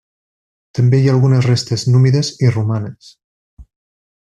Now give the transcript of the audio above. També hi ha algunes restes númides i romanes.